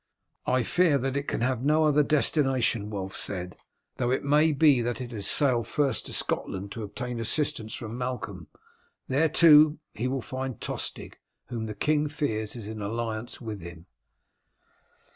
"I fear that it can have no other destination," Wulf said; "though it may be that it has sailed first to Scotland to obtain assistance from Malcolm. There, too, he will find Tostig, whom the king fears is in alliance with him."